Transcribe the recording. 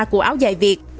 của áo dài việt